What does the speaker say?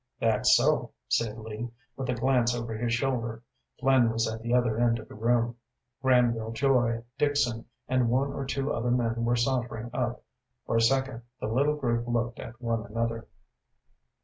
"That's so," said Lee, with a glance over his shoulder. Flynn was at the other end of the room. Granville Joy, Dixon, and one or two other men were sauntering up. For a second the little group looked at one another.